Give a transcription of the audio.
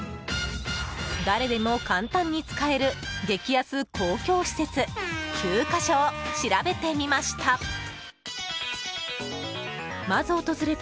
誰でも簡単に使える激安公共施設９か所を調べてみました。